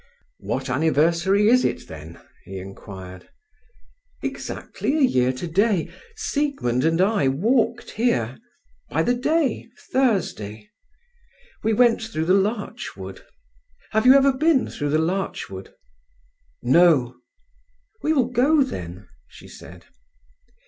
"What anniversary is it, then?" he inquired. "Exactly a year today, Siegmund and I walked here—by the day, Thursday. We went through the larch wood. Have you ever been through the larch wood?" "No." "We will go, then," she said.